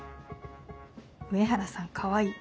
「上原さんかわいい」。